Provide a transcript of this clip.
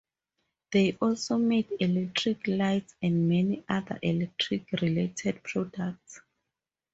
They also made electric lights and many other electric-related products.